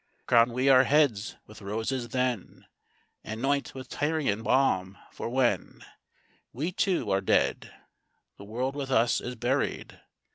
Crown we our heads with roses then, And 'noint with Tyrian balm; for when We two are dead, The world with us is buried.